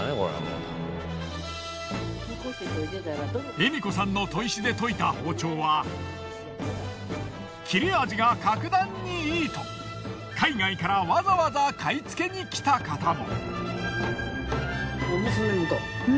笑子さんの砥石で研いだ包丁は切れ味が格段にいいと海外からわざわざ買いつけに来た方も。